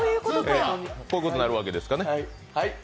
そういうことになるわけなんですね。